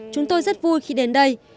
chúng tôi rất vui khi đến đây